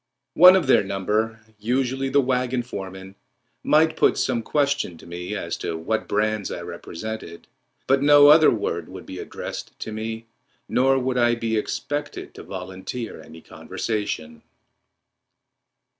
One of their number, usually the wagon foreman, might put some question to me as to what brands I represented, but no other word would be addressed to me, nor would I be expected to volunteer any conversation.